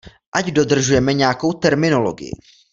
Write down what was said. Ať dodržujeme nějakou terminologii.